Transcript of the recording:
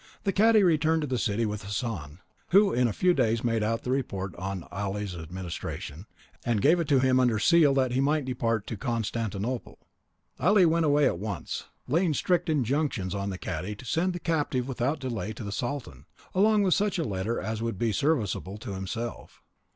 The cadi returned to the city with Hassan, who in a few days made out the report on Ali's administration, and gave it to him under seal that he might depart to Constantinople. Ali went away at once, laying strict injunctions on the cadi to send the captive without delay to the sultan, along with such a letter as would be serviceable to himself.